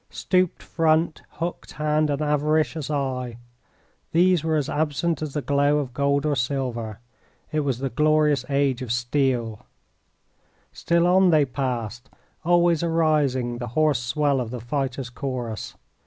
Stooped front, hooked hand and avaricious eye these were as absent as the glow of gold or silver. It was the glorious age of steel. Still on they passed, always arising the hoarse swell of the fighters' chorus.